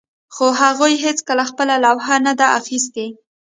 خو هغوی هیڅکله خپله لوحه نه ده اخیستې